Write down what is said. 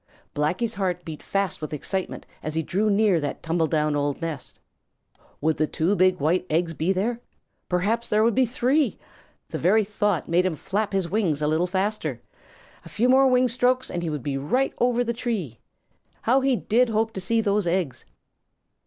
Blacky's heart beat fast with excitement as he drew near that old tumble down nest. Would those two big white eggs be there? Perhaps there would be three! The very thought made him flap his wings a little faster. A few more wing strokes and he would be right over the tree. How he did hope to see those eggs!